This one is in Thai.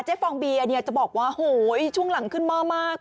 เจ๊ฟองเบียจะบอกว่าโหช่วงหลังขึ้นมามาก